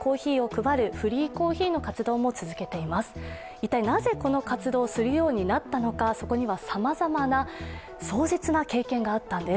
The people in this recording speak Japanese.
一体なぜこの活動をするようになったのか、そこにはさまざまな壮絶な経験があったんです。